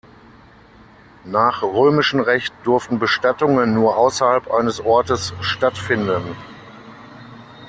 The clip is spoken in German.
Nach römischen Recht durften Bestattungen nur außerhalb eines Ortes stattfinden.